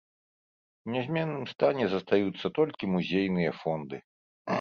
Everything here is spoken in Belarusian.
У нязменным стане застаюцца толькі музейныя фонды.